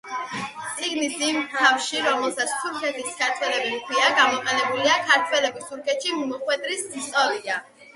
წიგნის იმ თავში, რომელსაც „თურქეთის ქართველები“ ჰქვია, გამოყენებულია ქართველების თურქეთში მოხვედრის ისტორია.